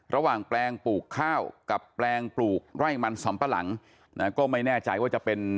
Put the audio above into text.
แปลงปลูกข้าวกับแปลงปลูกไร่มันสำปะหลังนะก็ไม่แน่ใจว่าจะเป็น